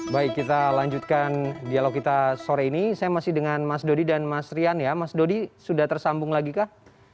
baik kita lanjutkan dialog kita sore ini saya masih dengan mas dodi dan mas rian ya mas dodi sudah tersambung lagi kah